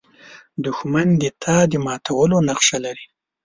دښمن د ستا د ماتولو نقشه لري